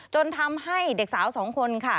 จนทำให้เด็กสาวสองคนค่ะ